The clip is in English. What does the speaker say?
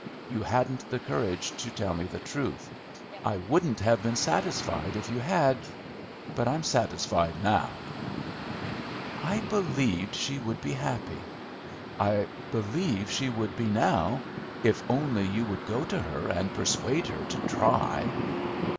You hadn't the courage to tell me the truth. I wouldn't have been satisfied if you had; but I'm satisfied now." "I believed she would be happy; I believe she would be, now, if only you would go to her and persuade her to try."